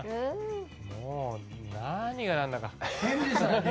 もう何がなんだか。